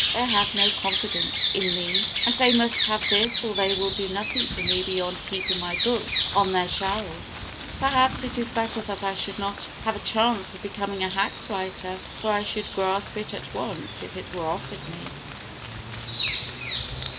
They have no confidence in me and they must have this or they will do nothing for me beyond keeping my books on their shelves. Perhaps it is better that I should not have a chance of becoming a hack writer, for I should grasp it at once if it were offered me.